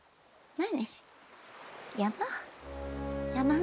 何？